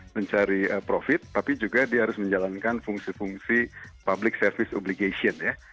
mencari profit tapi juga dia harus menjalankan fungsi fungsi public service obligation ya